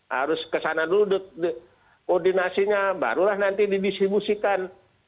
harus kesana dulu koordinasinya barulah nanti didistribusikan